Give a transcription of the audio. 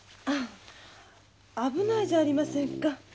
あ危ないじゃありませんか。